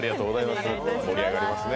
盛り上がりますね。